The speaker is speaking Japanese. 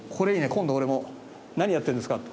今度俺も「何やってるんですか？」